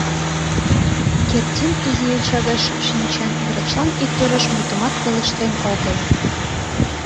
Кердин изи йоча гай шып шинчен, врачлан ик тореш мутымат пелештен огыл.